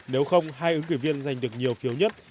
nếu không hai ứng cử viên giành được nhiều phiếu nhất